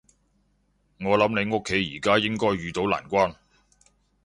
我諗你屋企而家應該遇到難關